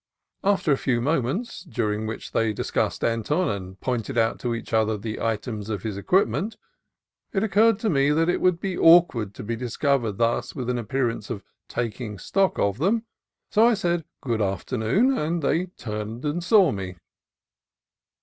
A STRANGE COUPLE 305 After a few moments, during which they dis cussed Anton and pointed out to each other the items of his equipment, it occurred to me that it would be awkward to be discovered thus with an appearance of "taking stock" of them; so I said, "Good afternoon," and they turned and saw me.